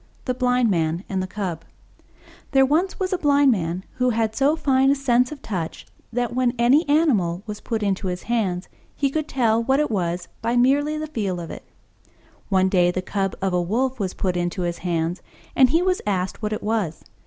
THE BLIND MAN AND THE CUB There was once a Blind Man who had so fine a sense of touch that, when any animal was put into his hands, he could tell what it was merely by the feel of it. One day the Cub of a Wolf was put into his hands, and he was asked what it was.